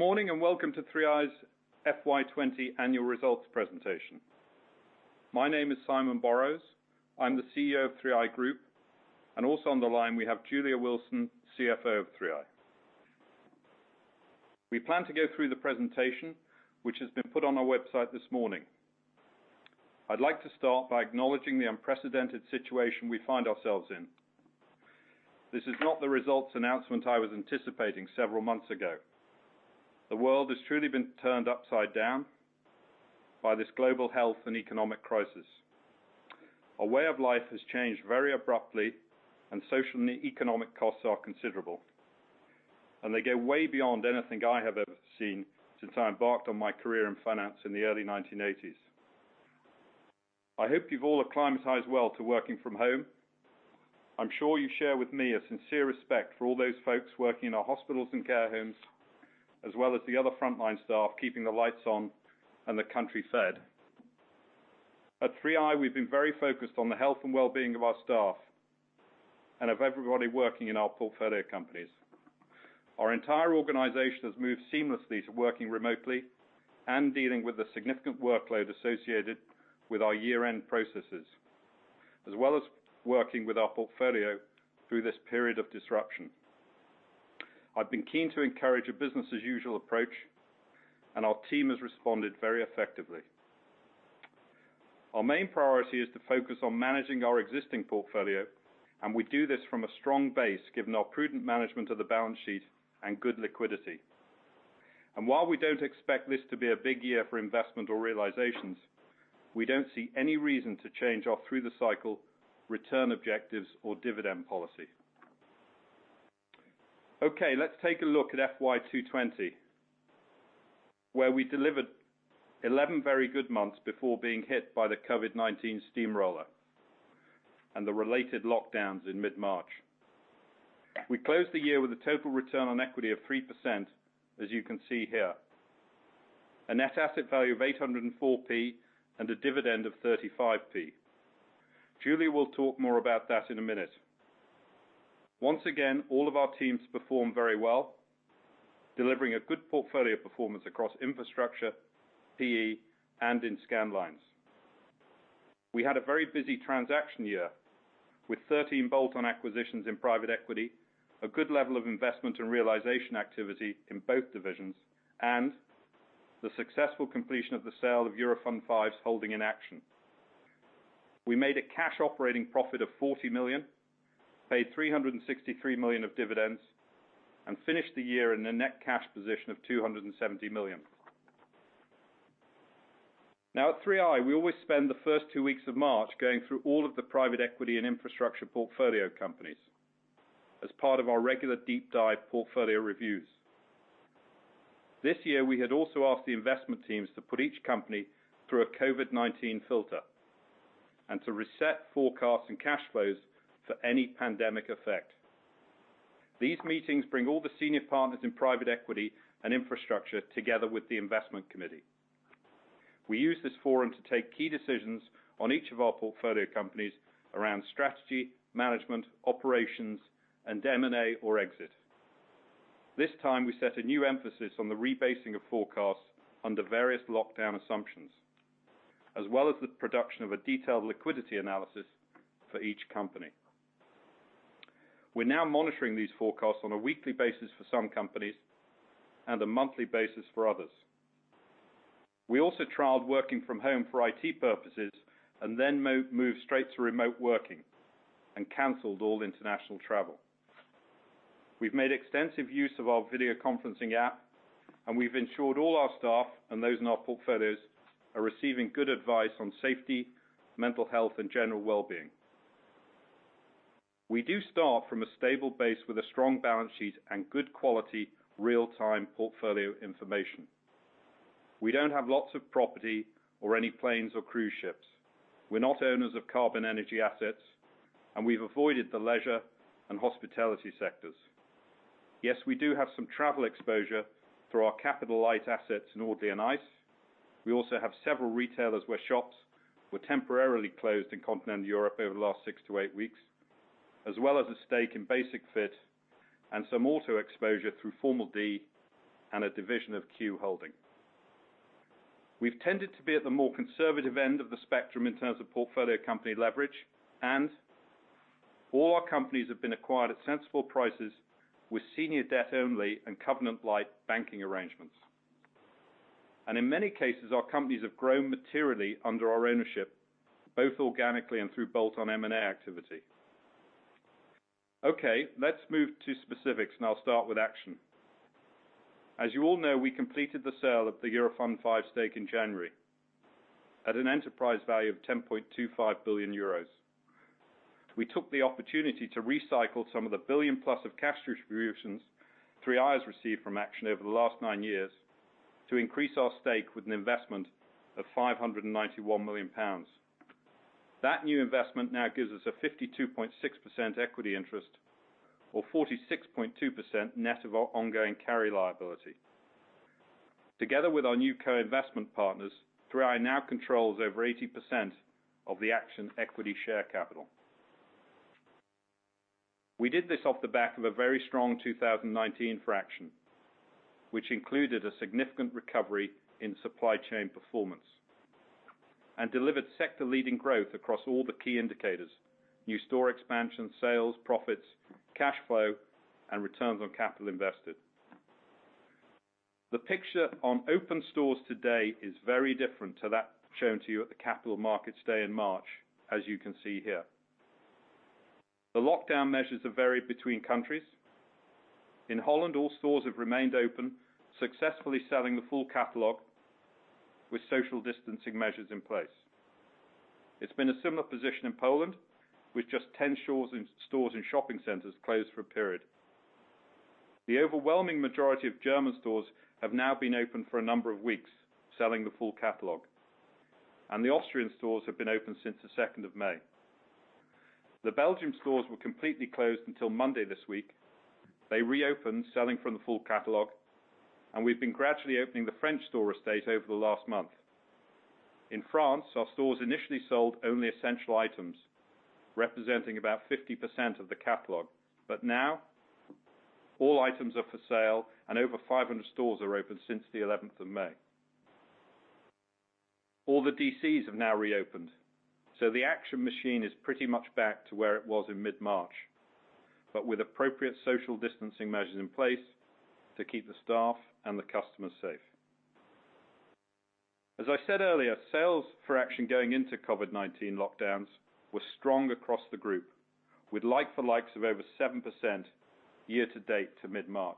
Good morning, welcome to 3i's FY 2020 annual results presentation. My name is Simon Borrows. I'm the CEO of 3i Group, and also on the line we have Julia Wilson, CFO of 3i. We plan to go through the presentation, which has been put on our website this morning. I'd like to start by acknowledging the unprecedented situation we find ourselves in. This is not the results announcement I was anticipating several months ago. The world has truly been turned upside down by this global health and economic crisis. Our way of life has changed very abruptly and social and economic costs are considerable, and they go way beyond anything I have ever seen since I embarked on my career in finance in the early 1980s. I hope you've all acclimatized well to working from home. I'm sure you share with me a sincere respect for all those folks working in our hospitals and care homes, as well as the other frontline staff keeping the lights on and the country fed. At 3i, we've been very focused on the health and well-being of our staff and of everybody working in our portfolio companies. Our entire organization has moved seamlessly to working remotely and dealing with the significant workload associated with our year-end processes, as well as working with our portfolio through this period of disruption. I've been keen to encourage a business as usual approach, and our team has responded very effectively. Our main priority is to focus on managing our existing portfolio, and we do this from a strong base given our prudent management of the balance sheet and good liquidity. While we don't expect this to be a big year for investment or realizations, we don't see any reason to change our through the cycle return objectives or dividend policy. Let's take a look at FY 2020, where we delivered 11 very good months before being hit by the COVID-19 steamroller and the related lockdowns in mid-March. We closed the year with a total return on equity of 3%, as you can see here. A net asset value of 8.04 and a dividend of 0.35. Julia will talk more about that in a minute. Once again, all of our teams performed very well, delivering a good portfolio performance across infrastructure, PE, and in Scandlines. We had a very busy transaction year with 13 bolt-on acquisitions in private equity, a good level of investment and realization activity in both divisions, and the successful completion of the sale of Eurofund V's holding in Action. We made a cash operating profit of 40 million, paid 363 million of dividends, and finished the year in a net cash position of 270 million. At 3i, we always spend the first two weeks of March going through all of the private equity and infrastructure portfolio companies as part of our regular deep dive portfolio reviews. This year, we had also asked the investment teams to put each company through a COVID-19 filter and to reset forecasts and cash flows for any pandemic effect. These meetings bring all the senior partners in private equity and infrastructure together with the investment committee. We use this forum to take key decisions on each of our portfolio companies around strategy, management, operations, and M&A or exit. This time we set a new emphasis on the rebasing of forecasts under various lockdown assumptions, as well as the production of a detailed liquidity analysis for each company. We're now monitoring these forecasts on a weekly basis for some companies and a monthly basis for others. We also trialed working from home for IT purposes and then moved straight to remote working and canceled all international travel. We've made extensive use of our video conferencing app, and we've ensured all our staff and those in our portfolios are receiving good advice on safety, mental health, and general well-being. We do start from a stable base with a strong balance sheet and good quality real-time portfolio information. We don't have lots of property or any planes or cruise ships. We're not owners of carbon energy assets, and we've avoided the leisure and hospitality sectors. Yes, we do have some travel exposure through our capital light assets in Audley and ICE. We also have several retailers where shops were temporarily closed in continental Europe over the last six to eight weeks, as well as a stake in Basic-Fit and some auto exposure through Formel D and a division of Q Holding. We've tended to be at the more conservative end of the spectrum in terms of portfolio company leverage, and all our companies have been acquired at sensible prices with senior debt only and covenant-lite banking arrangements. In many cases, our companies have grown materially under our ownership, both organically and through bolt-on M&A activity. Let's move to specifics, and I'll start with Action. As you all know, we completed the sale of the Eurofund V stake in January at an enterprise value of €10.25 billion. We took the opportunity to recycle some of the billion-plus of cash distributions 3i has received from Action over the last nine years to increase our stake with an investment of 591 million pounds. That new investment now gives us a 52.6% equity interest or 46.2% net of our ongoing carry liability. Together with our new co-investment partners, 3i now controls over 80% of the Action equity share capital. We did this off the back of a very strong 2019 for Action, which included a significant recovery in supply chain performance and delivered sector-leading growth across all the key indicators, new store expansion, sales, profits, cash flow, and returns on capital invested. The picture on open stores today is very different to that shown to you at the Capital Markets Day in March, as you can see here. The lockdown measures have varied between countries. In Holland, all stores have remained open, successfully selling the full catalog with social distancing measures in place. It's been a similar position in Poland, with just 10 stores in shopping centers closed for a period. The overwhelming majority of German stores have now been open for a number of weeks, selling the full catalog, and the Austrian stores have been open since the 2nd of May. The Belgium stores were completely closed until Monday this week. They reopened, selling from the full catalog, and we've been gradually opening the French store estate over the last month. In France, our stores initially sold only essential items, representing about 50% of the catalog. Now all items are for sale and over 500 stores are open since the 11th of May. All the DCs have now reopened, so the Action machine is pretty much back to where it was in mid-March, but with appropriate social distancing measures in place to keep the staff and the customers safe. As I said earlier, sales for Action going into COVID-19 lockdowns were strong across the group, with like-for-likes of over 7% year to date to mid-March.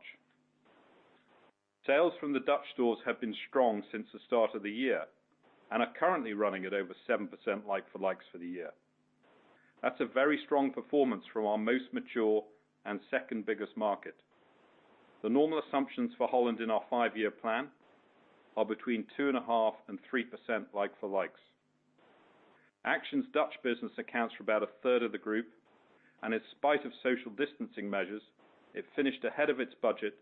Sales from the Dutch stores have been strong since the start of the year and are currently running at over 7% like-for-likes for the year. That's a very strong performance from our most mature and second biggest market. The normal assumptions for Holland in our five-year plan are between 2.5% and 3% like-for-likes. Action's Dutch business accounts for about a third of the group. In spite of social distancing measures, it finished ahead of its budget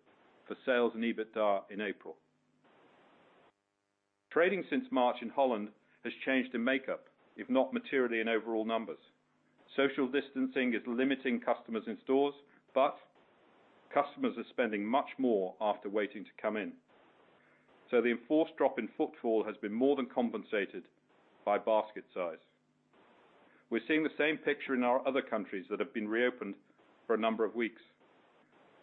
for sales and EBITDA in April. Trading since March in Holland has changed in makeup, if not materially in overall numbers. Social distancing is limiting customers in stores. Customers are spending much more after waiting to come in. The enforced drop in footfall has been more than compensated by basket size. We're seeing the same picture in our other countries that have been reopened for a number of weeks.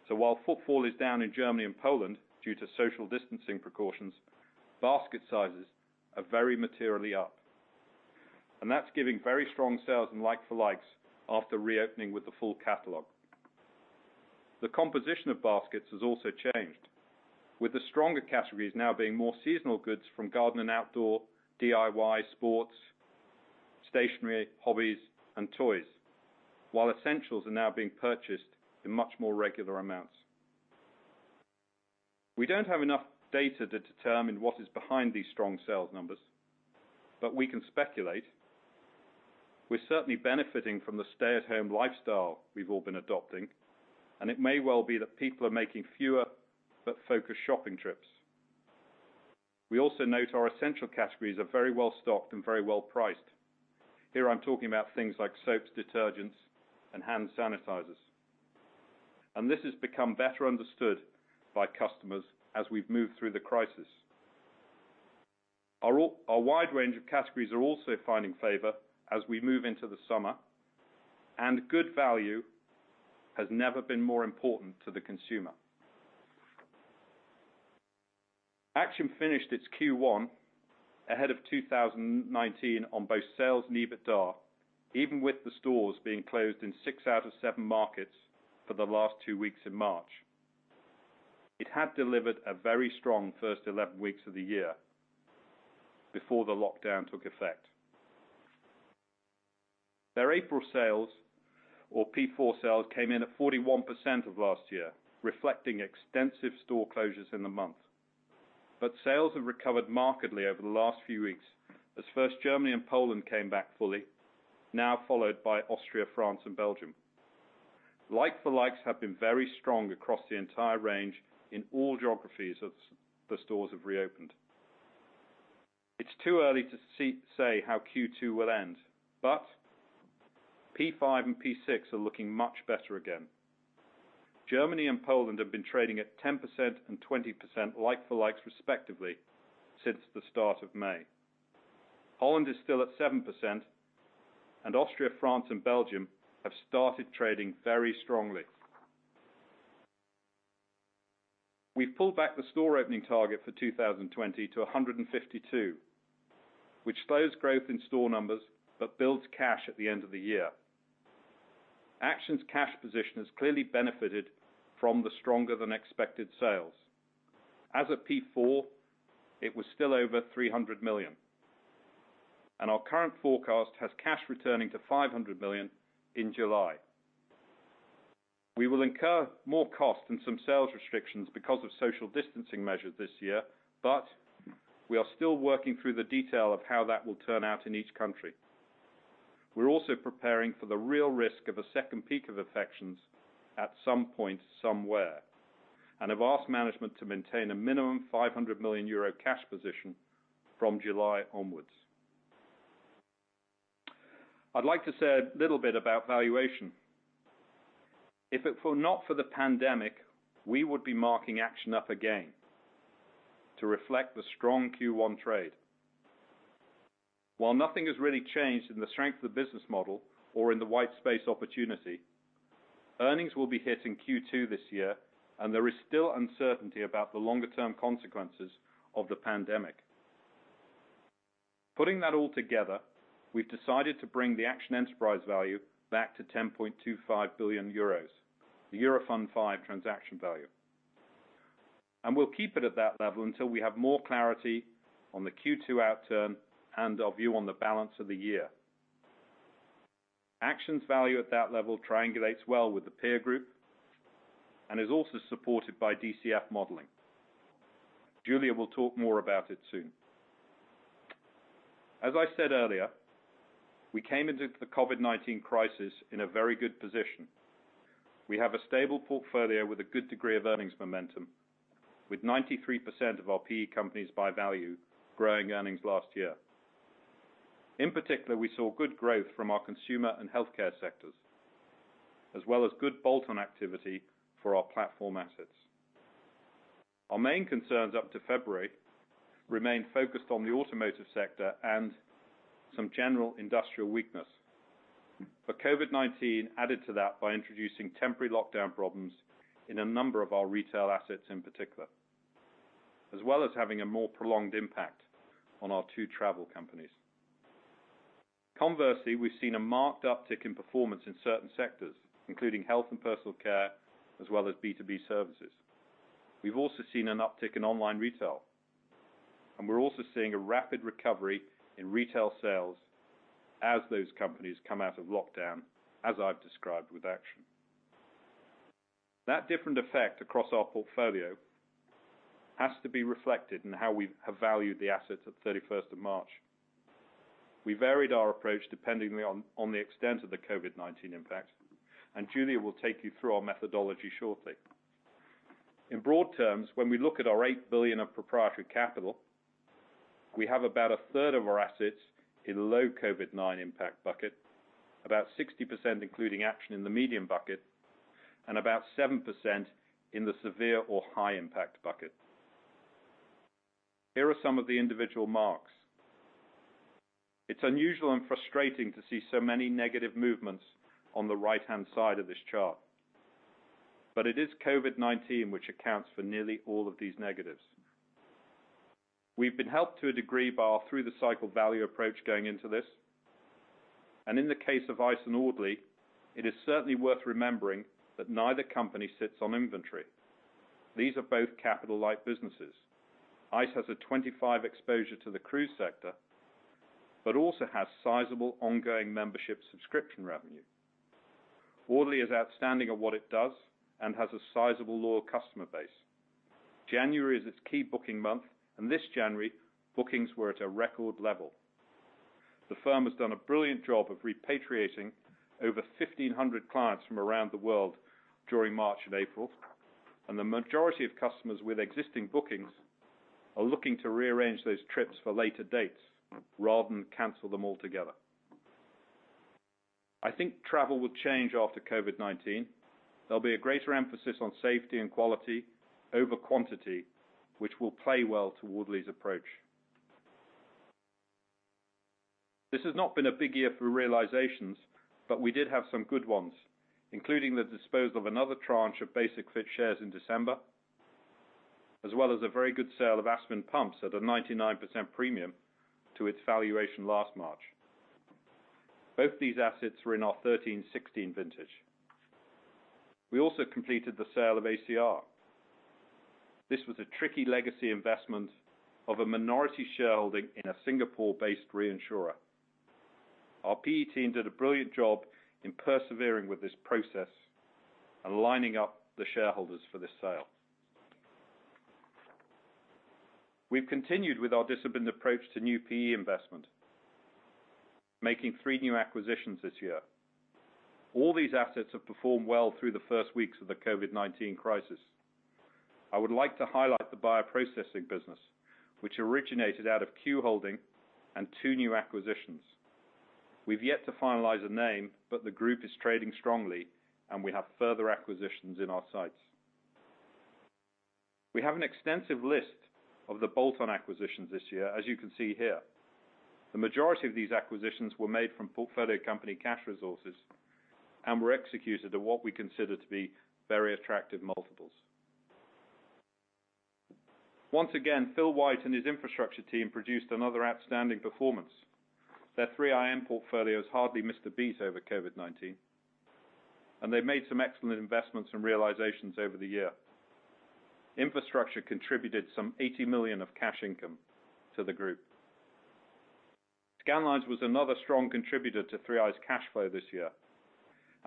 While footfall is down in Germany and Poland due to social distancing precautions, basket sizes are very materially up. That's giving very strong sales in like-for-like after reopening with the full catalog. The composition of baskets has also changed, with the stronger categories now being more seasonal goods from garden and outdoor, DIY, sports, stationery, hobbies, and toys. Essentials are now being purchased in much more regular amounts. We don't have enough data to determine what is behind these strong sales numbers, but we can speculate. We're certainly benefiting from the stay-at-home lifestyle we've all been adopting, and it may well be that people are making fewer but focused shopping trips. We also note our essential categories are very well stocked and very well priced. Here I'm talking about things like soaps, detergents, and hand sanitizers. This has become better understood by customers as we've moved through the crisis. Our wide range of categories are also finding favor as we move into the summer, and good value has never been more important to the consumer. Action finished its Q1 ahead of 2019 on both sales and EBITDA, even with the stores being closed in six out of seven markets for the last two weeks in March. It had delivered a very strong first 11 weeks of the year before the lockdown took effect. Their April sales or P4 sales came in at 41% of last year, reflecting extensive store closures in the month. Sales have recovered markedly over the last few weeks as first Germany and Poland came back fully, now followed by Austria, France and Belgium. Like-for-likes have been very strong across the entire range in all geographies the stores have reopened. It's too early to say how Q2 will end, but P5 and P6 are looking much better again. Germany and Poland have been trading at 10% and 20% like-for-likes respectively since the start of May. Holland is still at 7%. Austria, France, and Belgium have started trading very strongly. We pulled back the store opening target for 2020 to 152, which slows growth in store numbers but builds cash at the end of the year. Action's cash position has clearly benefited from the stronger than expected sales. As of P4, it was still over 300 million. Our current forecast has cash returning to 500 million in July. We will incur more costs and some sales restrictions because of social distancing measures this year, but we are still working through the detail of how that will turn out in each country. We're also preparing for the real risk of a second peak of infections at some point somewhere and have asked management to maintain a minimum €500 million cash position from July onwards. I'd like to say a little bit about valuation. If it were not for the pandemic, we would be marking Action up again to reflect the strong Q1 trade. While nothing has really changed in the strength of the business model or in the white space opportunity, earnings will be hit in Q2 this year, and there is still uncertainty about the longer-term consequences of the pandemic. Putting that all together, we've decided to bring the Action enterprise value back to €10.25 billion, the Eurofund V transaction value. We'll keep it at that level until we have more clarity on the Q2 outturn and our view on the balance of the year. Action's value at that level triangulates well with the peer group and is also supported by DCF modeling. Julia will talk more about it soon. As I said earlier, we came into the COVID-19 crisis in a very good position. We have a stable portfolio with a good degree of earnings momentum, with 93% of our PE companies by value growing earnings last year. In particular, we saw good growth from our consumer and healthcare sectors, as well as good bolt-on activity for our platform assets. Our main concerns up to February remained focused on the automotive sector and some general industrial weakness. COVID-19 added to that by introducing temporary lockdown problems in a number of our retail assets, in particular, as well as having a more prolonged impact on our two travel companies. Conversely, we've seen a marked uptick in performance in certain sectors, including health and personal care, as well as B2B services. We've also seen an uptick in online retail, and we're also seeing a rapid recovery in retail sales as those companies come out of lockdown, as I've described with Action. That different effect across our portfolio has to be reflected in how we have valued the assets at 31st of March. We varied our approach depending on the extent of the COVID-19 impact, and Julia will take you through our methodology shortly. In broad terms, when we look at our 8 billion of proprietary capital, we have about a third of our assets in low COVID-19 impact bucket, about 60%, including Action in the medium bucket, and about 7% in the severe or high impact bucket. Here are some of the individual marks. It's unusual and frustrating to see so many negative movements on the right-hand side of this chart. It is COVID-19 which accounts for nearly all of these negatives. We've been helped to a degree by our through-the-cycle value approach going into this. In the case of ICE and Audley, it is certainly worth remembering that neither company sits on inventory. These are both capital-light businesses. ICE has a 25% exposure to the cruise sector, but also has sizable ongoing membership subscription revenue. Audley is outstanding at what it does and has a sizable loyal customer base. January is its key booking month. This January, bookings were at a record level. The firm has done a brilliant job of repatriating over 1,500 clients from around the world during March and April. The majority of customers with existing bookings are looking to rearrange those trips for later dates rather than cancel them altogether. I think travel will change after COVID-19. There will be a greater emphasis on safety and quality over quantity, which will play well to Audley's approach. This has not been a big year for realizations, but we did have some good ones, including the disposal of another tranche of Basic-Fit shares in December, as well as a very good sale of Aspen Pumps at a 99% premium to its valuation last March. Both these assets were in our 2013, 2016 vintage. We also completed the sale of ACR. This was a tricky legacy investment of a minority shareholding in a Singapore-based reinsurer. Our PE team did a brilliant job in persevering with this process and lining up the shareholders for this sale. We've continued with our disciplined approach to new PE investment, making three new acquisitions this year. All these assets have performed well through the first weeks of the COVID-19 crisis. I would like to highlight the bioprocessing business, which originated out of Q Holding and two new acquisitions. We've yet to finalize a name, but the group is trading strongly, and we have further acquisitions in our sights. We have an extensive list of the bolt-on acquisitions this year, as you can see here. The majority of these acquisitions were made from portfolio company cash resources and were executed at what we consider to be very attractive multiples. Once again, Phil White and his infrastructure team produced another outstanding performance. Their 3iN portfolio has hardly missed a beat over COVID-19, and they made some excellent investments and realizations over the year. Infrastructure contributed some 80 million of cash income to the group. Scandlines was another strong contributor to 3i's cash flow this year.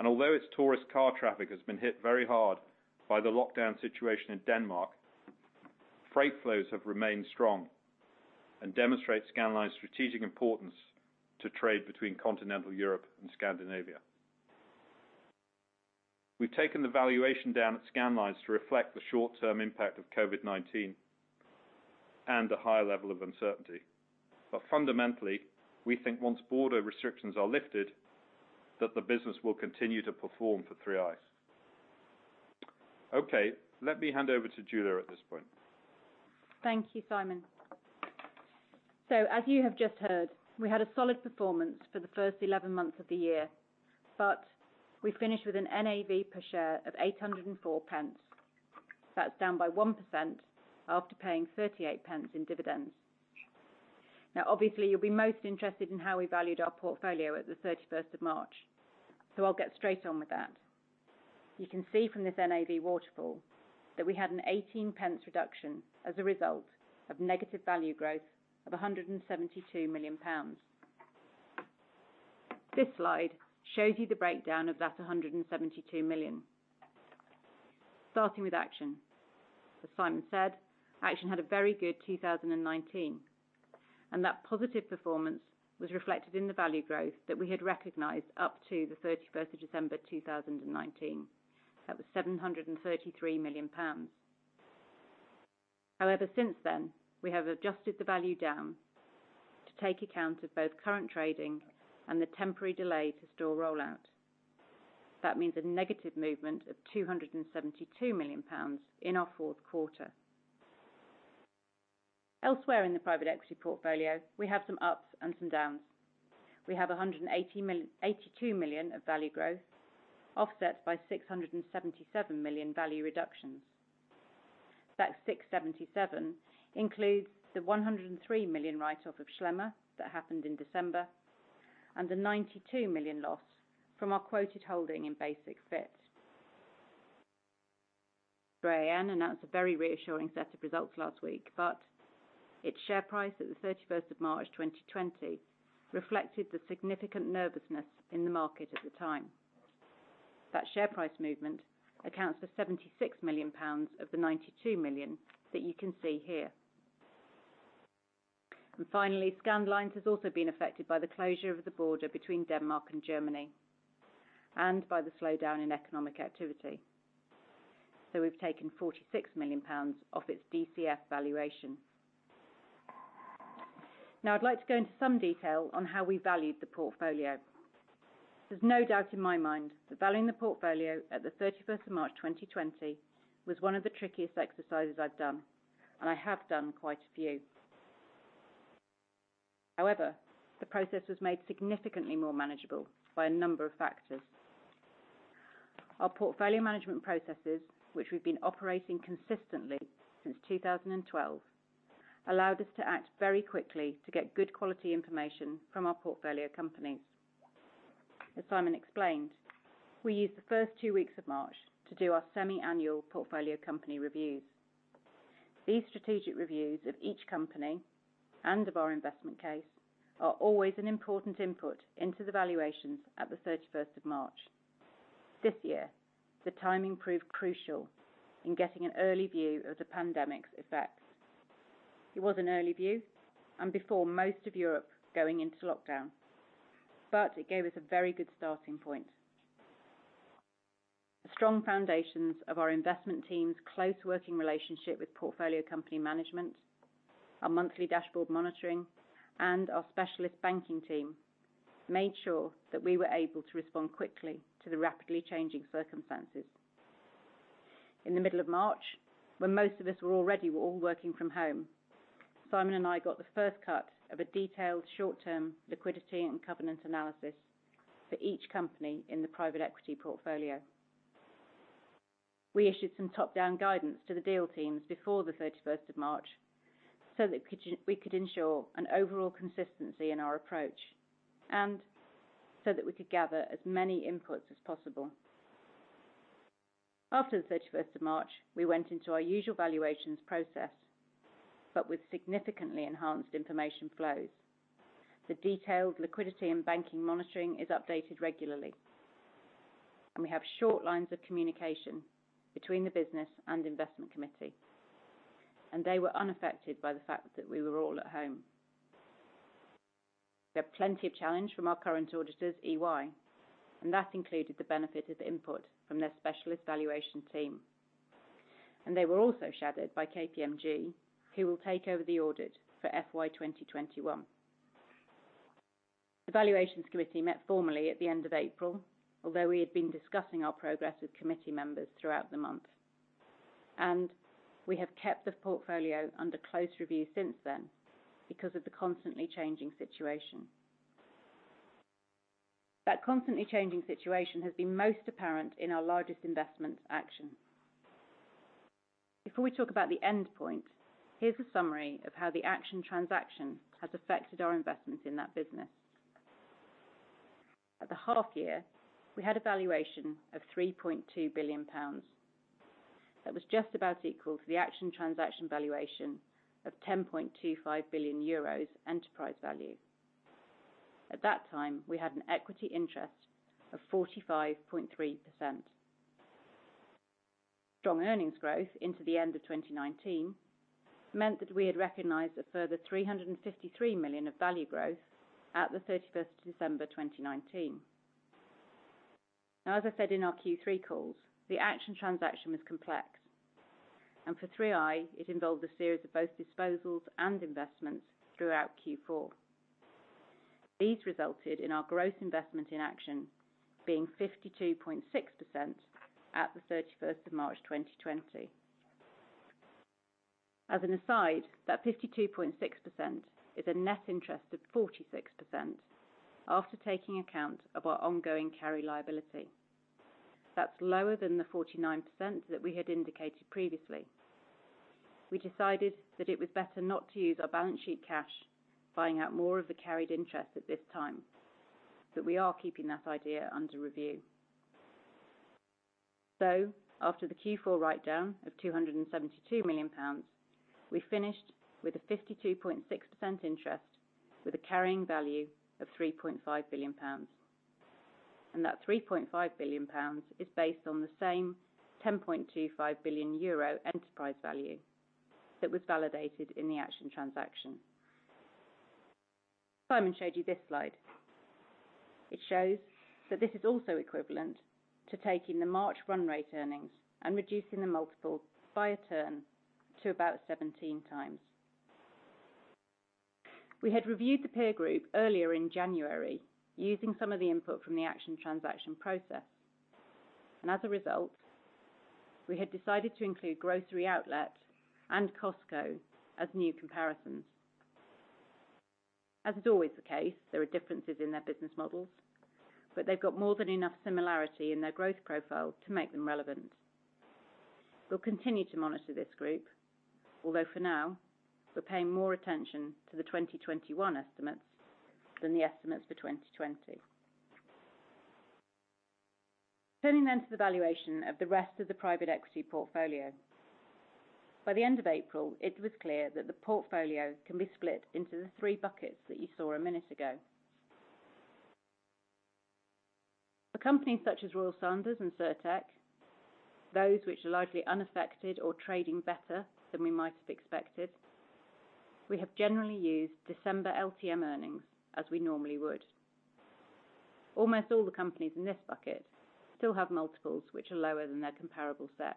Although its tourist car traffic has been hit very hard by the lockdown situation in Denmark, freight flows have remained strong and demonstrate Scandlines' strategic importance to trade between continental Europe and Scandinavia. We've taken the valuation down at Scandlines to reflect the short-term impact of COVID-19 and the higher level of uncertainty. Fundamentally, we think once border restrictions are lifted, that the business will continue to perform for 3i. Let me hand over to Julia at this point. Thank you, Simon. As you have just heard, we had a solid performance for the first 11 months of the year. We finished with an NAV per share of 8.04. That's down by 1% after paying 0.38 in dividends. Obviously, you'll be most interested in how we valued our portfolio at the 31st of March. I'll get straight on with that. You can see from this NAV waterfall that we had an 0.18 reduction as a result of negative value growth of 172 million pounds. This slide shows you the breakdown of that 172 million, starting with Action. As Simon said, Action had a very good 2019, and that positive performance was reflected in the value growth that we had recognized up to the 31st of December 2019. That was 733 million pounds. Since then, we have adjusted the value down to take account of both current trading and the temporary delay to store rollout. Means a negative movement of 272 million pounds in our fourth quarter. Elsewhere in the private equity portfolio, we have some ups and some downs. We have 182 million of value growth offset by 677 million value reductions. 677 includes the 103 million write-off of Schlemmer that happened in December, and the 92 million loss from our quoted holding in Basic-Fit. Ryanair announced a very reassuring set of results last week, its share price at the 31st of March 2020 reflected the significant nervousness in the market at the time. Share price movement accounts for 76 million pounds of the 92 million that you can see here. Finally, Scandlines has also been affected by the closure of the border between Denmark and Germany, and by the slowdown in economic activity. We've taken 46 million pounds off its DCF valuation. Now I'd like to go into some detail on how we valued the portfolio. There's no doubt in my mind that valuing the portfolio at the 31st of March 2020 was one of the trickiest exercises I've done, and I have done quite a few. However, the process was made significantly more manageable by a number of factors. Our portfolio management processes, which we've been operating consistently since 2012, allowed us to act very quickly to get good quality information from our portfolio companies. As Simon explained, we used the first two weeks of March to do our semi-annual portfolio company reviews. These strategic reviews of each company and of our investment case are always an important input into the valuations at the 31st of March. This year, the timing proved crucial in getting an early view of the pandemic's effects. It was an early view and before most of Europe going into lockdown, but it gave us a very good starting point. The strong foundations of our investment team's close working relationship with portfolio company management, our monthly dashboard monitoring, and our specialist banking team made sure that we were able to respond quickly to the rapidly changing circumstances. In the middle of March, when most of us were already all working from home, Simon and I got the first cut of a detailed short-term liquidity and covenant analysis for each company in the private equity portfolio. We issued some top-down guidance to the deal teams before the 31st of March so that we could ensure an overall consistency in our approach and so that we could gather as many inputs as possible. After the 31st of March, we went into our usual valuations process, but with significantly enhanced information flows. The detailed liquidity and banking monitoring is updated regularly, and we have short lines of communication between the business and investment committee, and they were unaffected by the fact that we were all at home. We had plenty of challenge from our current auditors, EY, and that included the benefit of input from their specialist valuation team. They were also shadowed by KPMG, who will take over the audit for FY 2021. The valuations committee met formally at the end of April, although we had been discussing our progress with committee members throughout the month. We have kept the portfolio under close review since then because of the constantly changing situation. That constantly changing situation has been most apparent in our largest investment, Action. Before we talk about the end point, here's a summary of how the Action transaction has affected our investment in that business. At the half year, we had a valuation of 3.2 billion pounds. That was just about equal to the Action transaction valuation of 10.25 billion euros enterprise value. At that time, we had an equity interest of 45.3%. Strong earnings growth into the end of 2019 meant that we had recognized a further 353 million of value growth at the 31st of December 2019. Now, as I said in our Q3 calls, the Action transaction was complex, and for 3i it involved a series of both disposals and investments throughout Q4. These resulted in our gross investment in Action being 52.6% at the 31st of March 2020. As an aside, that 52.6% is a net interest of 46% after taking account of our ongoing carry liability. That's lower than the 49% that we had indicated previously. We decided that it was better not to use our balance sheet cash buying out more of the carried interest at this time, but we are keeping that idea under review. After the Q4 writedown of 272 million pounds, we finished with a 52.6% interest with a carrying value of 3.5 billion pounds. That 3.5 billion pounds is based on the same 10.25 billion euro enterprise value that was validated in the Action transaction. Simon showed you this slide. It shows that this is also equivalent to taking the March run rate earnings and reducing the multiple by a turn to about 17 times. We had reviewed the peer group earlier in January using some of the input from the Action transaction process. As a result, we had decided to include Grocery Outlet and Costco as new comparisons. As is always the case, there are differences in their business models, but they've got more than enough similarity in their growth profile to make them relevant. We'll continue to monitor this group, although for now, we're paying more attention to the 2021 estimates than the estimates for 2020. Turning to the valuation of the rest of the private equity portfolio. By the end of April, it was clear that the portfolio can be split into the three buckets that you saw a minute ago. For companies such as Royal Sanders and Cirtec, those which are largely unaffected or trading better than we might have expected, we have generally used December LTM earnings as we normally would. Almost all the companies in this bucket still have multiples which are lower than their comparable set.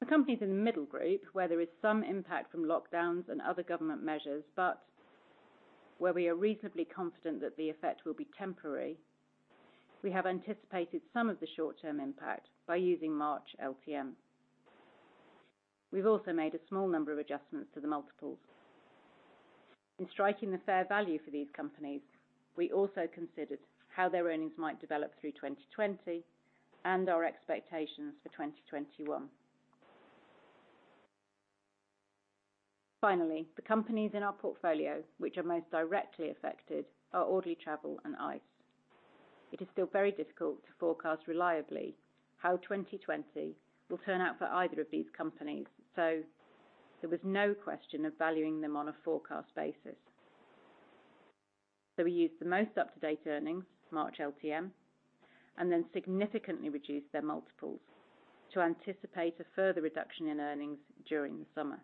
The companies in the middle group, where there is some impact from lockdowns and other government measures, but where we are reasonably confident that the effect will be temporary, we have anticipated some of the short-term impact by using March LTM. We've also made a small number of adjustments to the multiples. In striking the fair value for these companies, we also considered how their earnings might develop through 2020 and our expectations for 2021. The companies in our portfolio, which are most directly affected are Audley Travel and ICE. It is still very difficult to forecast reliably how 2020 will turn out for either of these companies. There was no question of valuing them on a forecast basis. We used the most up-to-date earnings, March LTM, and then significantly reduced their multiples to anticipate a further reduction in earnings during the summer.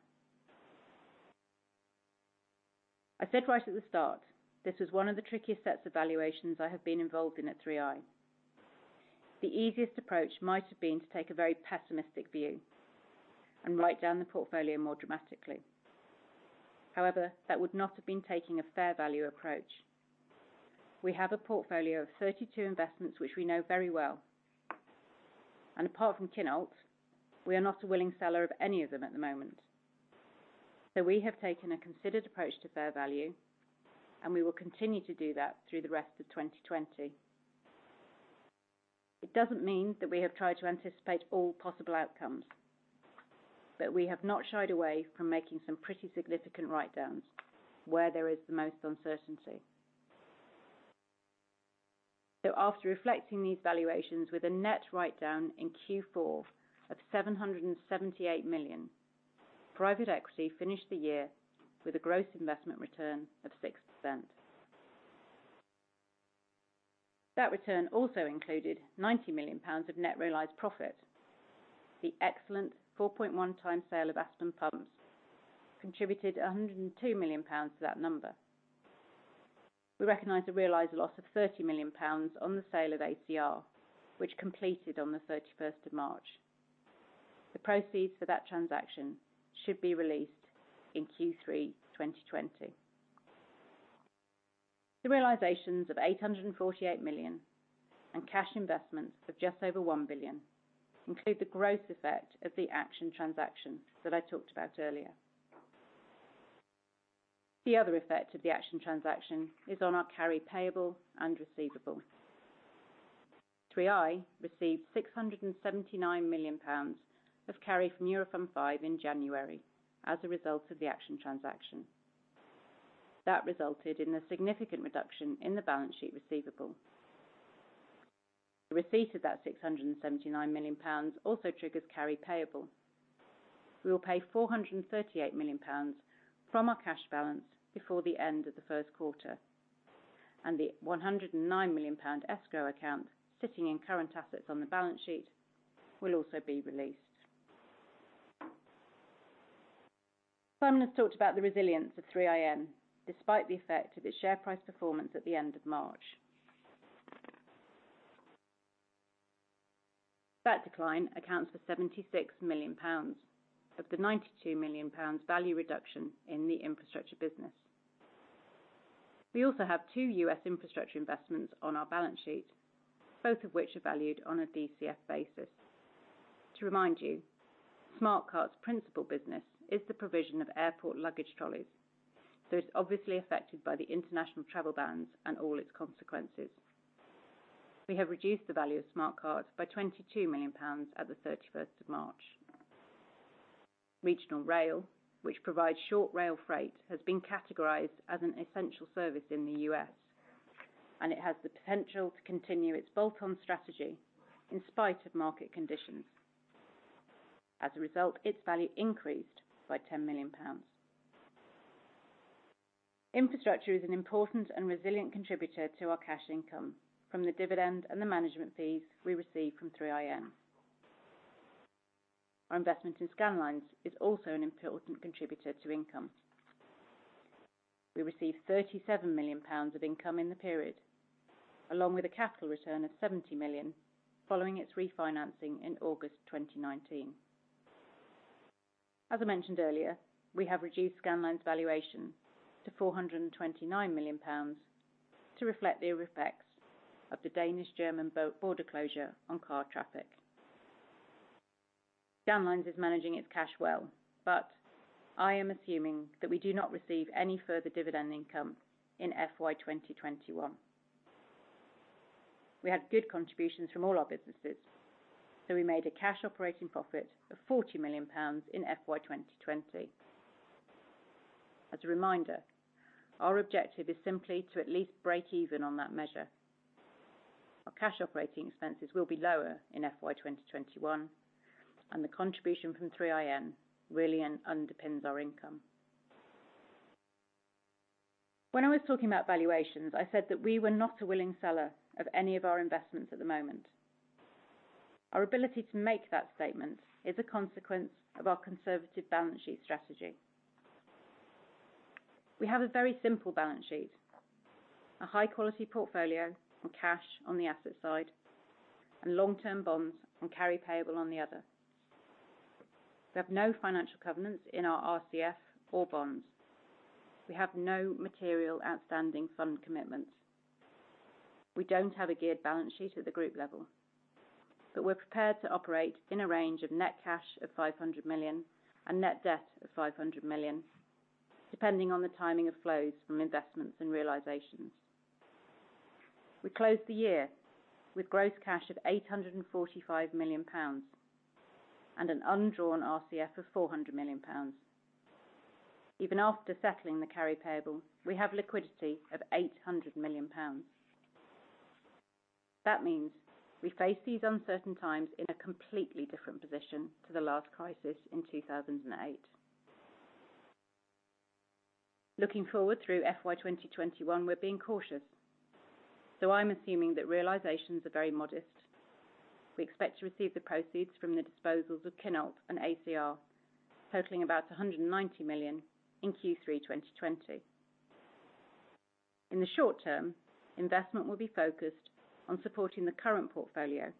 I said right at the start, this was one of the trickiest sets of valuations I have been involved in at 3i. The easiest approach might have been to take a very pessimistic view and write down the portfolio more dramatically. That would not have been taking a fair value approach. We have a portfolio of 32 investments which we know very well, and apart from Quintiles, we are not a willing seller of any of them at the moment. We have taken a considered approach to fair value, and we will continue to do that through the rest of 2020. It doesn't mean that we have tried to anticipate all possible outcomes, but we have not shied away from making some pretty significant writedowns where there is the most uncertainty. After reflecting these valuations with a net writedown in Q4 of 778 million, private equity finished the year with a gross investment return of 6%. That return also included 90 million pounds of net realized profit. The excellent 4.1 times sale of Aspen Pumps contributed 102 million pounds to that number. We recognized a realized loss of 30 million pounds on the sale of ACR, which completed on the 31st of March. The proceeds for that transaction should be released in Q3 2020. The realizations of 848 million and cash investments of just over 1 billion include the gross effect of the Action transaction that I talked about earlier. The other effect of the Action transaction is on our carry payable and receivable. 3i received 679 million pounds of carry from Eurofund V in January as a result of the Action transaction. That resulted in a significant reduction in the balance sheet receivable. The receipt of that 679 million pounds also triggers carry payable. We will pay 438 million pounds from our cash balance before the end of the first quarter, and the 109 million pound escrow account sitting in current assets on the balance sheet will also be released. Simon has talked about the resilience of 3iN despite the effect of its share price performance at the end of March. That decline accounts for 76 million pounds of the 92 million pounds value reduction in the infrastructure business. We also have two U.S. infrastructure investments on our balance sheet, both of which are valued on a DCF basis. To remind you, Smarte Carte's principal business is the provision of airport luggage trolleys. It's obviously affected by the international travel bans and all its consequences. We have reduced the value of Smarte Carte by 22 million pounds at the 31st of March. Regional Rail, which provides short-line freight, has been categorized as an essential service in the U.S. It has the potential to continue its bolt-on strategy in spite of market conditions. As a result, its value increased by 10 million pounds. Infrastructure is an important and resilient contributor to our cash income from the dividend and the management fees we receive from 3iN. Our investment in Scandlines is also an important contributor to income. We received 37 million pounds of income in the period, along with a capital return of 70 million following its refinancing in August 2019. As I mentioned earlier, we have reduced Scandlines valuation to 429 million pounds to reflect the effects of the Danish-German border closure on car traffic. Scandlines is managing its cash well, I am assuming that we do not receive any further dividend income in FY 2021. We had good contributions from all our businesses, We made a cash operating profit of 40 million pounds in FY 2020. As a reminder, our objective is simply to at least break even on that measure. Our cash operating expenses will be lower in FY 2021, The contribution from 3iN really underpins our income. When I was talking about valuations, I said that we were not a willing seller of any of our investments at the moment. Our ability to make that statement is a consequence of our conservative balance sheet strategy. We have a very simple balance sheet, a high-quality portfolio, and cash on the asset side, and long-term bonds and carry payable on the other. We have no financial covenants in our RCF or bonds. We have no material outstanding fund commitments. We don't have a geared balance sheet at the group level, but we're prepared to operate in a range of net cash of 500 million and net debt of 500 million, depending on the timing of flows from investments and realizations. We closed the year with gross cash of 845 million pounds and an undrawn RCF of 400 million pounds. Even after settling the carry payable, we have liquidity of 800 million pounds. That means we face these uncertain times in a completely different position to the last crisis in 2008. Looking forward through FY 2021, we're being cautious. I'm assuming that realizations are very modest. We expect to receive the proceeds from the disposals of Kintel and ACR, totaling about 190 million in Q3 2020. In the short term, investment will be focused on supporting the current portfolio,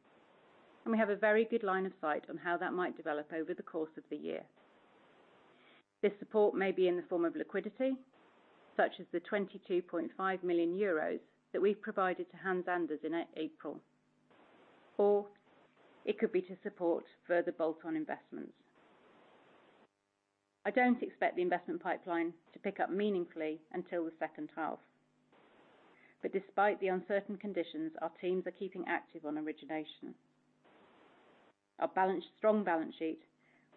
and we have a very good line of sight on how that might develop over the course of the year. This support may be in the form of liquidity, such as the 22.5 million euros that we've provided to Hans Anders in April, or it could be to support further bolt-on investments. I don't expect the investment pipeline to pick up meaningfully until the second half. Despite the uncertain conditions, our teams are keeping active on origination. Our strong balance sheet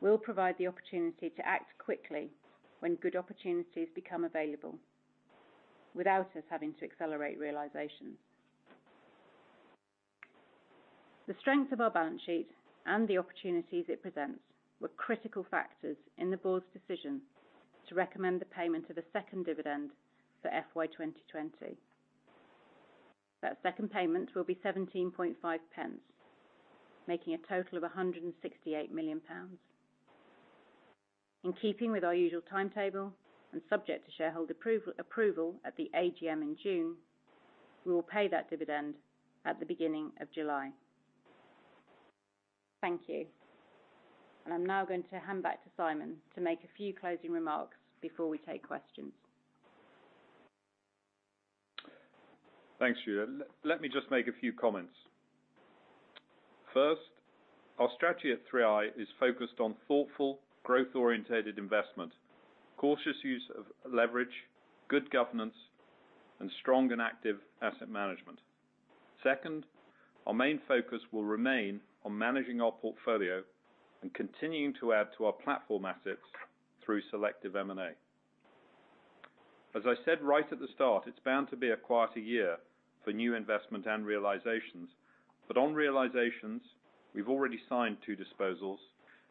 will provide the opportunity to act quickly when good opportunities become available without us having to accelerate realization. The strength of our balance sheet and the opportunities it presents were critical factors in the board's decision to recommend the payment of a second dividend for FY 2020. That second payment will be 0.175, making a total of 168 million pounds. In keeping with our usual timetable and subject to shareholder approval at the AGM in June, we will pay that dividend at the beginning of July. Thank you. I'm now going to hand back to Simon to make a few closing remarks before we take questions. Thanks, Julia. Let me just make a few comments. First, our strategy at 3i is focused on thoughtful, growth-orientated investment, cautious use of leverage, good governance, and strong and active asset management. Second, our main focus will remain on managing our portfolio and continuing to add to our platform assets through selective M&A. As I said right at the start, it's bound to be a quieter year for new investment and realizations. On realizations, we've already signed two disposals,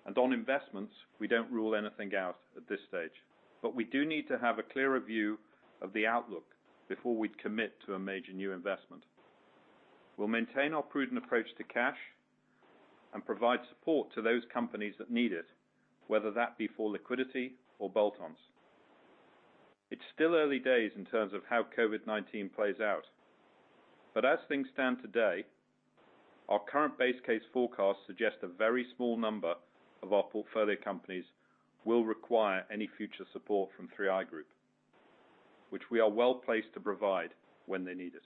and on investments, we don't rule anything out at this stage. We do need to have a clearer view of the outlook before we'd commit to a major new investment. We'll maintain our prudent approach to cash and provide support to those companies that need it, whether that be for liquidity or bolt-ons. It's still early days in terms of how COVID-19 plays out. As things stand today, our current base case forecasts suggest a very small number of our portfolio companies will require any future support from 3i Group, which we are well-placed to provide when they need it.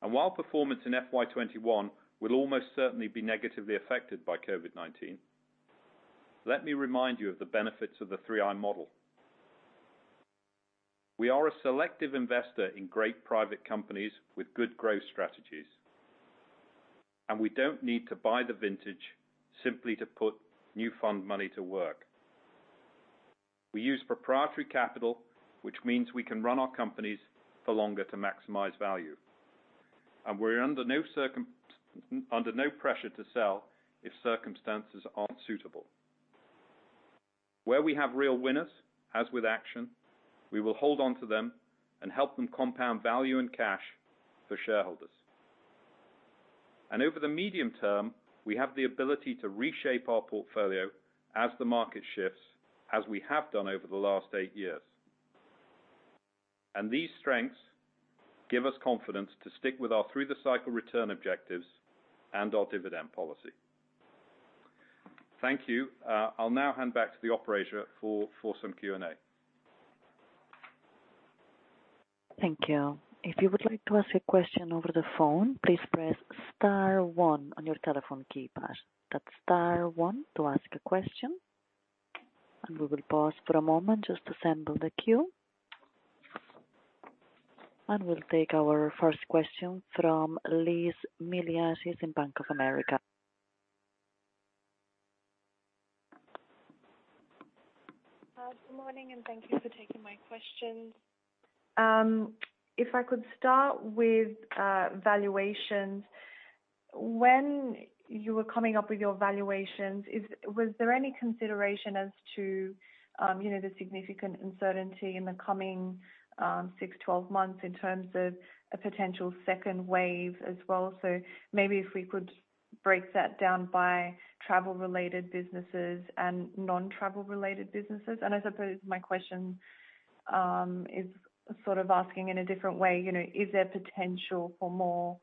While performance in FY 2021 will almost certainly be negatively affected by COVID-19, let me remind you of the benefits of the 3i model. We are a selective investor in great private companies with good growth strategies. We don't need to buy the vintage simply to put new fund money to work. We use proprietary capital, which means we can run our companies for longer to maximize value. We're under no pressure to sell if circumstances aren't suitable. Where we have real winners, as with Action, we will hold on to them and help them compound value and cash for shareholders. Over the medium term, we have the ability to reshape our portfolio as the market shifts, as we have done over the last eight years. These strengths give us confidence to stick with our through-the-cycle return objectives and our dividend policy. Thank you. I'll now hand back to the operator for some Q&A. Thank you. If you would like to ask a question over the phone, please press *1 on your telephone keypad. That's *1 to ask a question. We will pause for a moment just to assemble the queue. We'll take our first question from Liz Milias in Bank of America. Good morning. Thank you for taking my questions. If I could start with valuations. When you were coming up with your valuations, was there any consideration as to the significant uncertainty in the coming 6, 12 months in terms of a potential second wave as well? Maybe if we could break that down by travel-related businesses and non-travel related businesses. I suppose my question is sort of asking in a different way, is there potential for more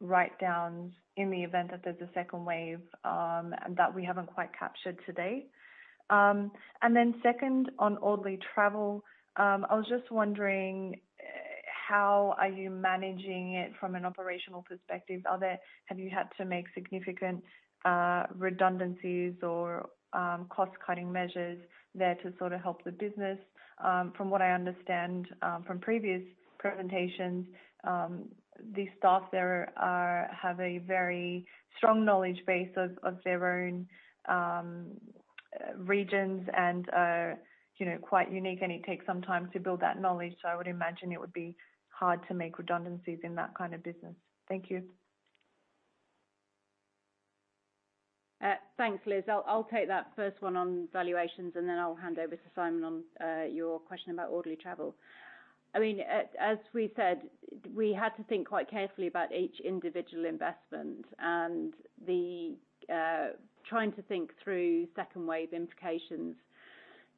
write-downs in the event that there's a second wave, that we haven't quite captured to date? Then second, on Audley Travel, I was just wondering how are you managing it from an operational perspective. Have you had to make significant redundancies or cost-cutting measures there to sort of help the business? From what I understand from previous presentations, the staff there have a very strong knowledge base of their own regions and are quite unique, and it takes some time to build that knowledge. I would imagine it would be hard to make redundancies in that kind of business. Thank you. Thanks, Liz. I'll take that first one on valuations, and then I'll hand over to Simon on your question about Audley Travel. As we said, we had to think quite carefully about each individual investment and trying to think through second wave implications.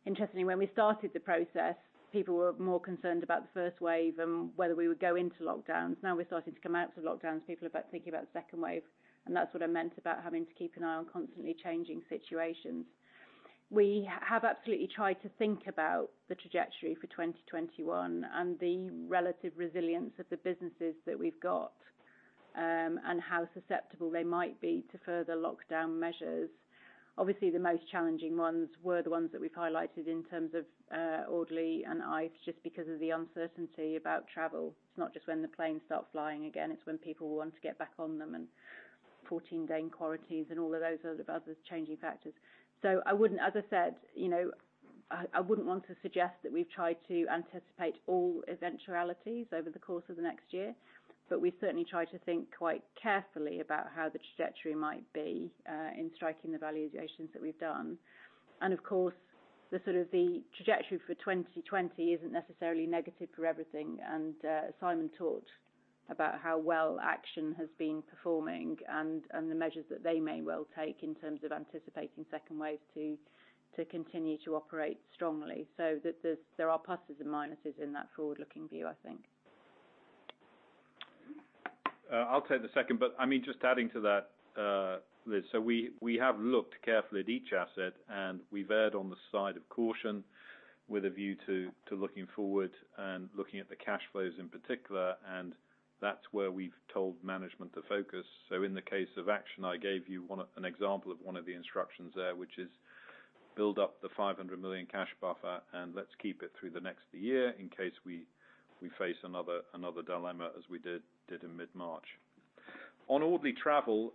Interestingly, when we started the process, people were more concerned about the first wave and whether we would go into lockdowns. Now we're starting to come out of lockdowns, people are thinking about second wave, and that's what I meant about having to keep an eye on constantly changing situations. We have absolutely tried to think about the trajectory for 2021 and the relative resilience of the businesses that we've got, and how susceptible they might be to further lockdown measures. Obviously, the most challenging ones were the ones that we've highlighted in terms of Audley and ICE just because of the uncertainty about travel. It is not just when the planes start flying again, it is when people want to get back on them and 14-day quarantines and all of those other changing factors. As I said, I wouldn't want to suggest that we've tried to anticipate all eventualities over the course of the next year, but we certainly try to think quite carefully about how the trajectory might be in striking the valuations that we've done. Of course, the trajectory for 2020 isn't necessarily negative for everything. Simon talked about how well Action has been performing and the measures that they may well take in terms of anticipating second waves to continue to operate strongly. There are pluses and minuses in that forward-looking view, I think. Just adding to that, Liz. We have looked carefully at each asset, and we've erred on the side of caution with a view to looking forward and looking at the cash flows in particular, and that's where we've told management to focus. In the case of Action, I gave you an example of one of the instructions there, which is build up the 500 million cash buffer and let's keep it through the next year in case we face another dilemma as we did in mid-March. On Audley Travel,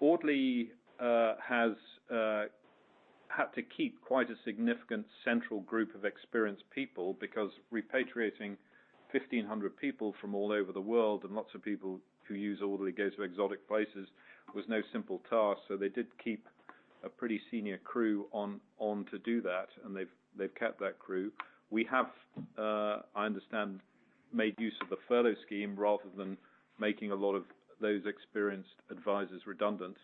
Audley has had to keep quite a significant central group of experienced people because repatriating 1,500 people from all over the world, and lots of people who use Audley go to exotic places, was no simple task. They did keep a pretty senior crew on to do that, and they've kept that crew. We have, I understand, made use of the furlough scheme rather than making a lot of those experienced advisors redundant.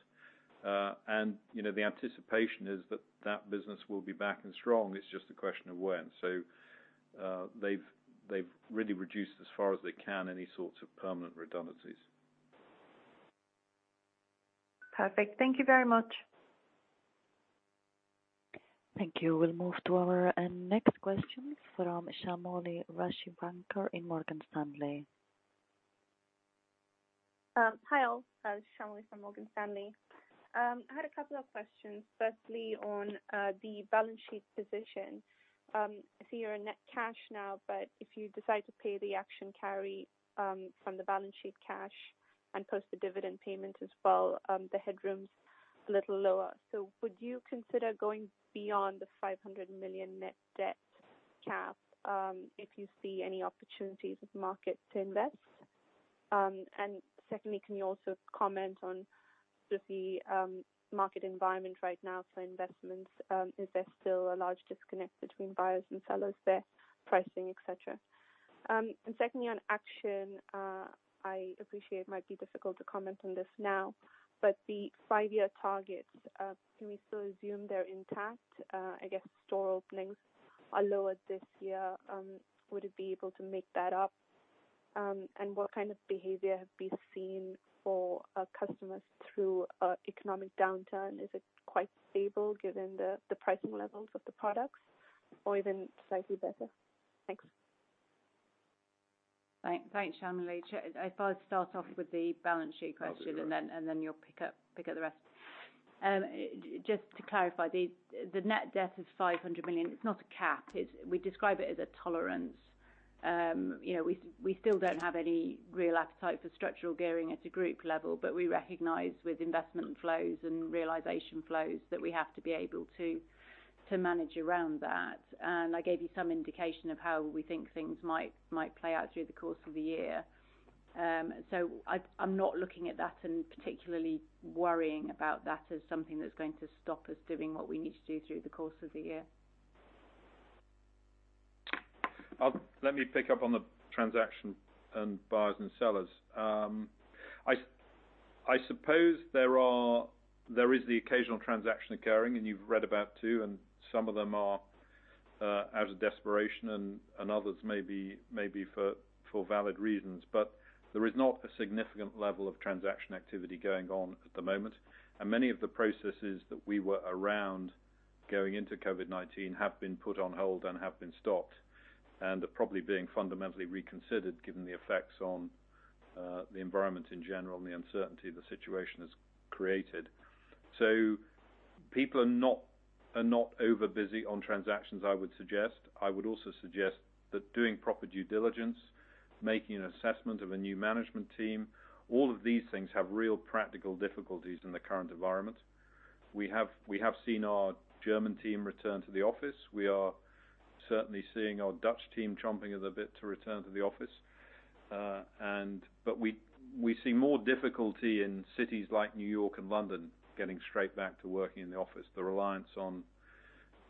The anticipation is that that business will be back and strong. It's just a question of when. They've really reduced as far as they can any sorts of permanent redundancies. Perfect. Thank you very much. Thank you. We'll move to our next question from Shamoli Ravishankar in Morgan Stanley. Hi all. Shamoli from Morgan Stanley. I had a couple of questions. Firstly, on the balance sheet position. I see you're in net cash now, but if you decide to pay the Action carry from the balance sheet cash and post the dividend payment as well, the headroom is a little lower. Would you consider going beyond the 500 million net debt cap if you see any opportunities with market to invest? Secondly, can you also comment on just the market environment right now for investments? Is there still a large disconnect between buyers and sellers there, pricing, et cetera? Secondly, on Action, I appreciate it might be difficult to comment on this now, but the 5-year targets, can we still assume they're intact? I guess store openings are lower this year. Would it be able to make that up? What kind of behavior have we seen for our customers through economic downturn? Is it quite stable given the pricing levels of the products or even slightly better? Thanks. Thanks, Shamoli. If I start off with the balance sheet question and then you'll pick up the rest. Just to clarify, the net debt is 500 million. It's not a cap. We describe it as a tolerance. We still don't have any real appetite for structural gearing at a group level, but we recognize with investment flows and realization flows that we have to be able to manage around that. I gave you some indication of how we think things might play out through the course of the year. I'm not looking at that and particularly worrying about that as something that's going to stop us doing what we need to do through the course of the year. Let me pick up on the transaction and buyers and sellers. I suppose there is the occasional transaction occurring, and you've read about two, and some of them are out of desperation and others may be for valid reasons. There is not a significant level of transaction activity going on at the moment. Many of the processes that we were around going into COVID-19 have been put on hold and have been stopped and are probably being fundamentally reconsidered given the effects on the environment in general and the uncertainty the situation has created. People are not over busy on transactions, I would suggest. I would also suggest that doing proper due diligence, making an assessment of a new management team, all of these things have real practical difficulties in the current environment. We have seen our German team return to the office. We are certainly seeing our Dutch team chomping at the bit to return to the office. We see more difficulty in cities like New York and London getting straight back to working in the office, the reliance on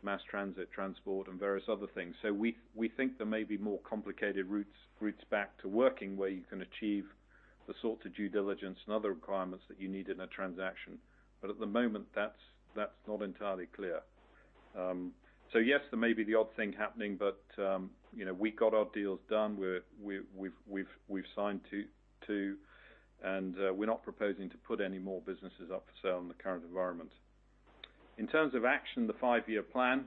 mass transit, transport, and various other things. We think there may be more complicated routes back to working where you can achieve the sort of due diligence and other requirements that you need in a transaction. At the moment, that's not entirely clear. Yes, there may be the odd thing happening, but we got our deals done. We've signed two, and we're not proposing to put any more businesses up for sale in the current environment. In terms of Action, the five-year plan,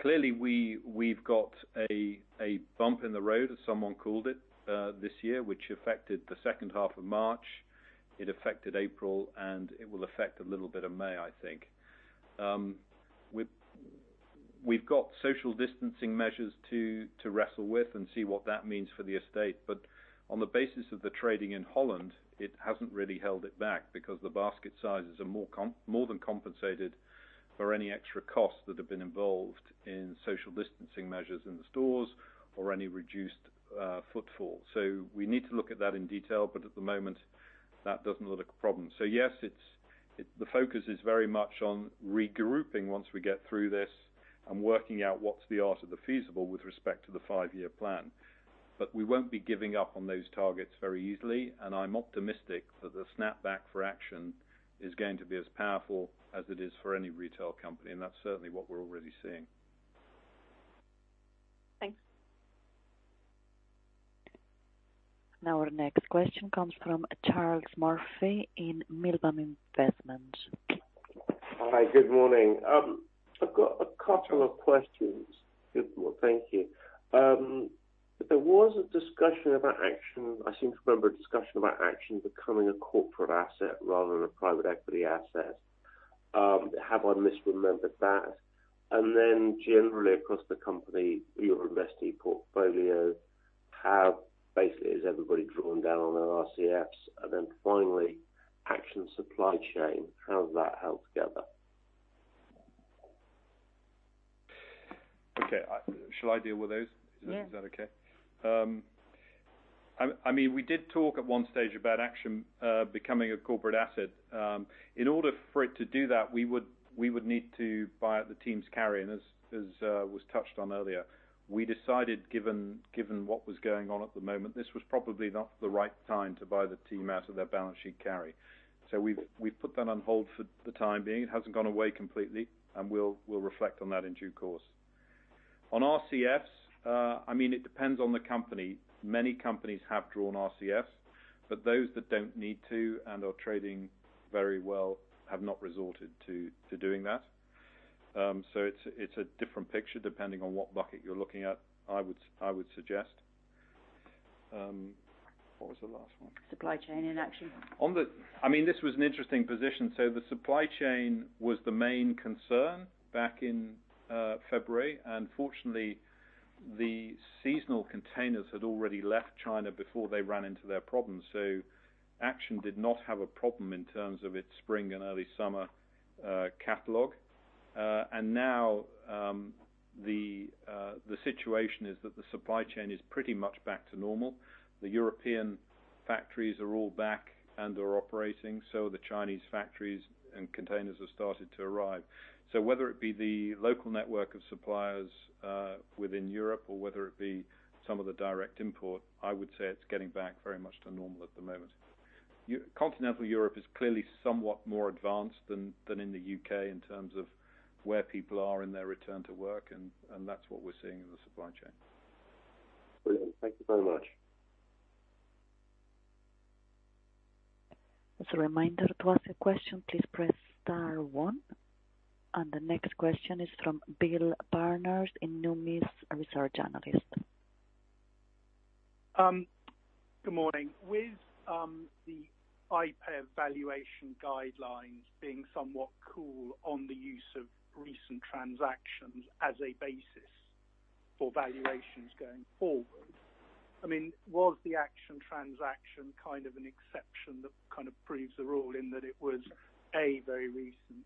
clearly we've got a bump in the road, as someone called it, this year, which affected the second half of March. It affected April, and it will affect a little bit of May, I think. We've got social distancing measures to wrestle with and see what that means for the estate. On the basis of the trading in Holland, it hasn't really held it back because the basket sizes are more than compensated for any extra costs that have been involved in social distancing measures in the stores or any reduced footfall. We need to look at that in detail, but at the moment, that doesn't look a problem. Yes, the focus is very much on regrouping once we get through this and working out what's the art of the feasible with respect to the five-year plan. We won't be giving up on those targets very easily, and I'm optimistic that the snapback for Action is going to be as powerful as it is for any retail company, and that's certainly what we're already seeing. Thanks. Our next question comes from Charles Murphy in Redburn Atlantic. Hi, good morning. I've got a couple of questions. Good morning. Thank you. There was a discussion about Action. I seem to remember a discussion about Action becoming a corporate asset rather than a private equity asset. Have I misremembered that? Generally across the company, your investing portfolio, how basically is everybody drawing down on their RCFs? Finally, Action supply chain, how's that held together? Okay. Shall I deal with those? Yeah. Is that okay? We did talk at one stage about Action becoming a corporate asset. In order for it to do that, we would need to buy out the team's carry as was touched on earlier. We decided, given what was going on at the moment, this was probably not the right time to buy the team out of their balance sheet carry. We've put that on hold for the time being. It hasn't gone away completely, and we'll reflect on that in due course. On RCFs, it depends on the company. Many companies have drawn RCFs, but those that don't need to and are trading very well have not resorted to doing that. It's a different picture depending on what bucket you're looking at, I would suggest. What was the last one? Supply chain and Action. This was an interesting position. The supply chain was the main concern back in February, and fortunately, the seasonal containers had already left China before they ran into their problems. Action did not have a problem in terms of its spring and early summer catalog. Now the situation is that the supply chain is pretty much back to normal. The European factories are all back and are operating, so the Chinese factories and containers have started to arrive. Whether it be the local network of suppliers within Europe or whether it be some of the direct import, I would say it's getting back very much to normal at the moment. Continental Europe is clearly somewhat more advanced than in the U.K. in terms of where people are in their return to work, and that's what we're seeing in the supply chain. Brilliant. Thank you very much. As a reminder, to ask a question, please press star one. The next question is from Bill Barnard, a Numis research analyst. Good morning. With the IPEV valuation guidelines being somewhat cool on the use of recent transactions as a basis for valuations going forward, was the Action transaction kind of an exception that kind of proves the rule in that it was, A, very recent,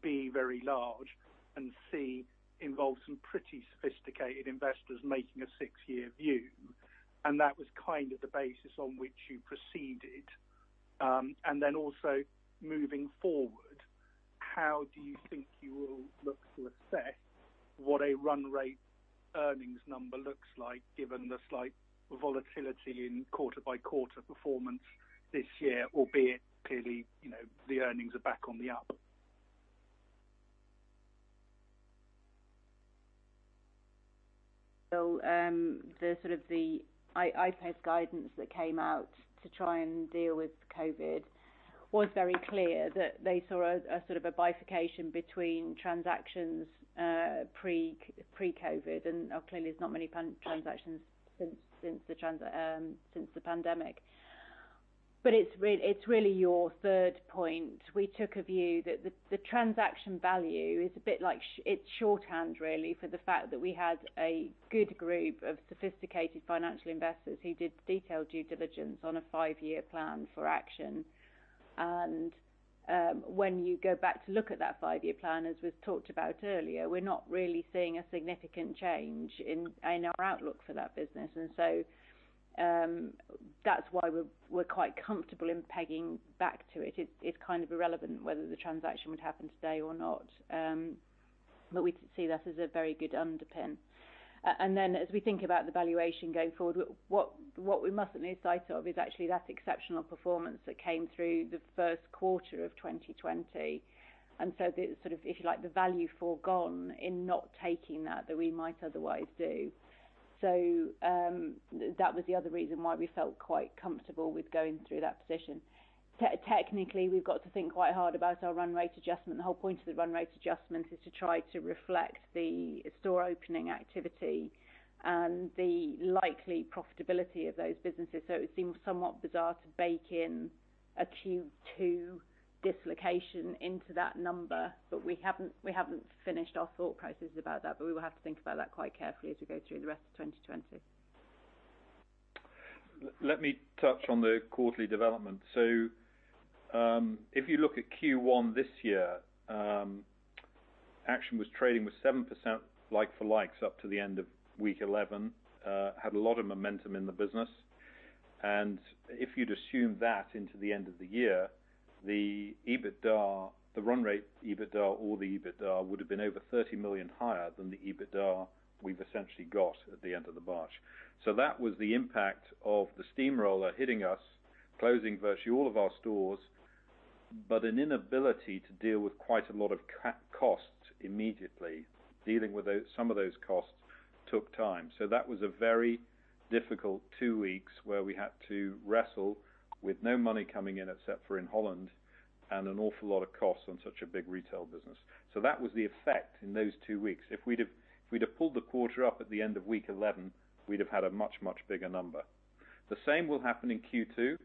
B, very large, and C, involves some pretty sophisticated investors making a six-year view, and that was kind of the basis on which you proceeded. Also moving forward, how do you think you will look to assess what a run rate earnings number looks like given the slight volatility in quarter-by-quarter performance this year, albeit clearly, the earnings are back on the up? The sort of the IPEV guidance that came out to try and deal with COVID-19 was very clear that they saw a sort of a bifurcation between transactions pre-COVID-19. Clearly, there's not many transactions since the pandemic. It's really your third point. We took a view that the transaction value, it's shorthand, really, for the fact that we had a good group of sophisticated financial investors who did detailed due diligence on a five-year plan for Action. When you go back to look at that five-year plan, as we've talked about earlier, we're not really seeing a significant change in our outlook for that business. That's why we're quite comfortable in pegging back to it. It's kind of irrelevant whether the transaction would happen today or not. We see that as a very good underpin. As we think about the valuation going forward, what we mustn't lose sight of is actually that exceptional performance that came through the first quarter of 2020. If you like, the value forgone in not taking that we might otherwise do. That was the other reason why we felt quite comfortable with going through that position. Technically, we've got to think quite hard about our run rate adjustment. The whole point of the run rate adjustment is to try to reflect the store opening activity and the likely profitability of those businesses. It would seem somewhat bizarre to bake in a Q2 dislocation into that number, but we haven't finished our thought process about that, but we will have to think about that quite carefully as we go through the rest of 2020. Let me touch on the quarterly development. If you look at Q1 this year, Action was trading with 7% like for likes up to the end of week 11, had a lot of momentum in the business. If you'd assume that into the end of the year, the run rate EBITDA or the EBITDA would have been over 30 million higher than the EBITDA we've essentially got at the end of the March. That was the impact of the steamroller hitting us, closing virtually all of our stores, but an inability to deal with quite a lot of costs immediately. Dealing with some of those costs took time. That was a very difficult two weeks where we had to wrestle with no money coming in except for in Holland, and an awful lot of costs on such a big retail business. That was the effect in those two weeks. If we'd have pulled the quarter up at the end of week 11, we'd have had a much, much bigger number. The same will happen in Q2.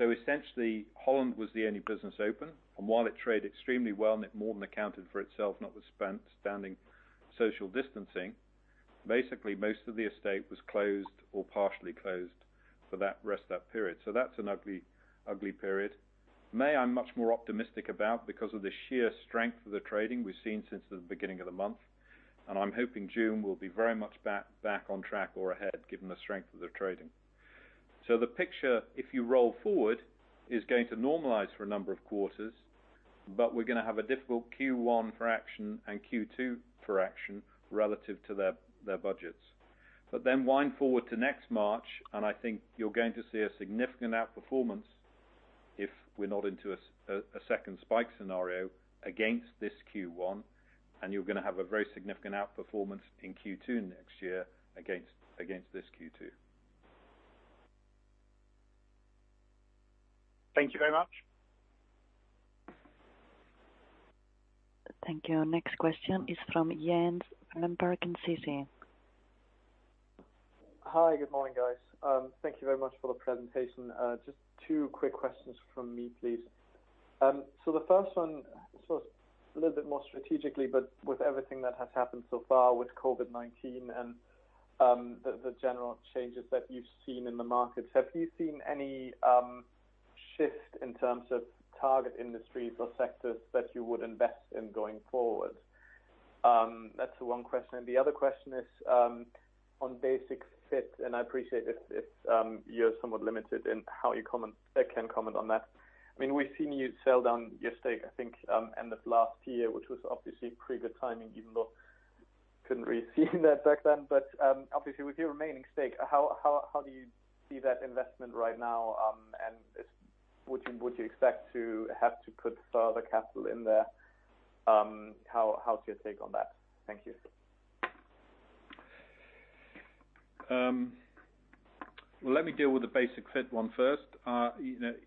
Essentially, Holland was the only business open, and while it traded extremely well, and it more than accounted for itself, notwithstanding social distancing. Most of the estate was closed or partially closed for that rest of that period. That's an ugly period. May, I'm much more optimistic about because of the sheer strength of the trading we've seen since the beginning of the month, and I'm hoping June will be very much back on track or ahead, given the strength of the trading. The picture, if you roll forward, is going to normalize for a number of quarters, but we're going to have a difficult Q1 for Action and Q2 for Action relative to their budgets. Wind forward to next March, and I think you're going to see a significant outperformance if we're not into a second spike scenario against this Q1, and you're going to have a very significant outperformance in Q2 next year against this Q2. Thank you very much. Thank you. Next question is from Jens Lambertsen, Citi. Hi, good morning, guys. Thank you very much for the presentation. Just two quick questions from me, please. The first one, sort of a little bit more strategically, but with everything that has happened so far with COVID-19 and the general changes that you've seen in the markets, have you seen any shift in terms of target industries or sectors that you would invest in going forward? That's the one question. The other question is on Basic-Fit, and I appreciate if you're somewhat limited in how you can comment on that. We've seen you sell down your stake, I think, end of last year, which was obviously pretty good timing, even though couldn't really see that back then. Obviously, with your remaining stake, how do you see that investment right now, and would you expect to have to put further capital in there? How is your take on that? Thank you. Well, let me deal with the Basic-Fit one first.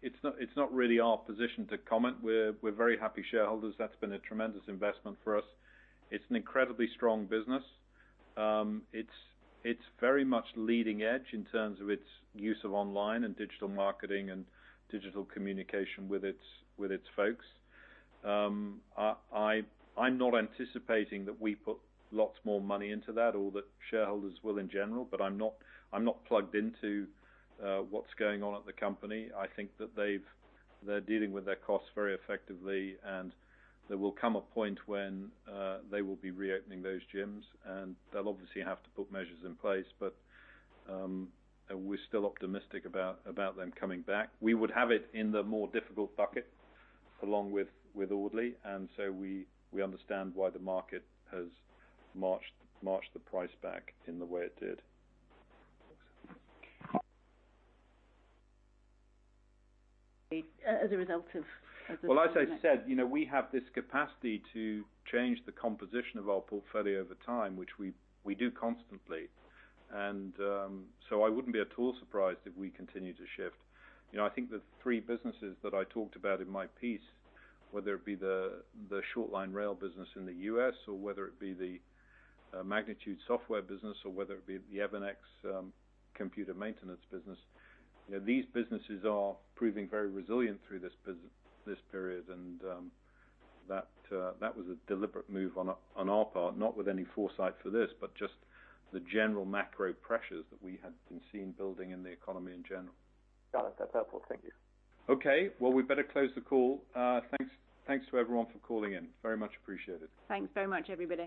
It's not really our position to comment. We're very happy shareholders. That's been a tremendous investment for us. It's an incredibly strong business. It's very much leading edge in terms of its use of online and digital marketing and digital communication with its folks. I'm not anticipating that we put lots more money into that or that shareholders will in general, but I'm not plugged into what's going on at the company. I think that they're dealing with their costs very effectively, and there will come a point when they will be reopening those gyms, and they'll obviously have to put measures in place. We're still optimistic about them coming back. We would have it in the more difficult bucket along with Audley. We understand why the market has marched the price back in the way it did. As a result of- Well, as I said, we have this capacity to change the composition of our portfolio over time, which we do constantly. I wouldn't be at all surprised if we continue to shift. I think the three businesses that I talked about in my piece, whether it be the Short-line rail business in the U.S. or whether it be the Magnitude Software business or whether it be the Kintel computer maintenance business, these businesses are proving very resilient through this period. That was a deliberate move on our part, not with any foresight for this, but just the general macro pressures that we had been seeing building in the economy in general. Got it. That's helpful. Thank you. Okay. We better close the call. Thanks to everyone for calling in. Very much appreciated. Thanks very much, everybody.